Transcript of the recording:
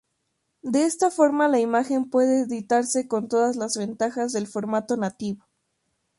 De esta forma, la imagen puede editarse con todas las ventajas del formato nativo.